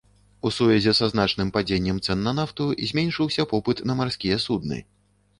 У сувязі са значным падзеннем цэн на нафту зменшыўся попыт на марскія судны.